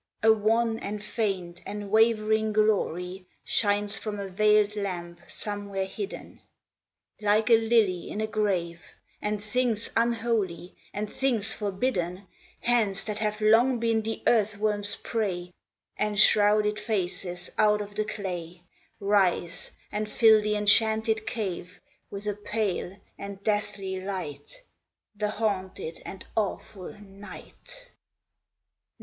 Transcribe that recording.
A wan, and faint, and wavering glory Shines from a veiled lamp somewhere hidden. Like a lily in a grave: And things unholy, and things forbidden, Hands that have long been the earth worm's prey, And shrouded faces out of the clay. Rise and fill the enchanted cave With a pale and deathly light, The haunted and awful Night!